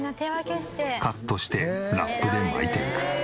カットしてラップで巻いていく。